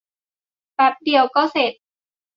แปบเดียวก็เสร็จ